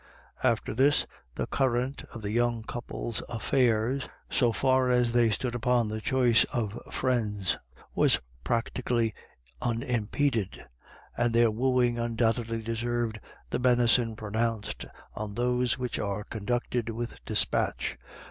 After this, the current of the young couple's affairs, so far as they stood upon the choice of friends, was practically unimpeded ; and their wooing undoubtedly deserved the benison pro nounced on those which are conducted with despatch.